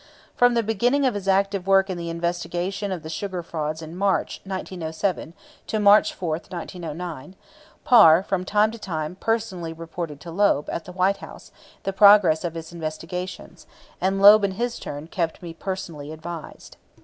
From the beginning of his active work in the investigation of the sugar frauds in March, 1907, to March 4, 1909, Parr, from time to time, personally reported to Loeb, at the White House, the progress of his investigations, and Loeb in his turn kept me personally advised.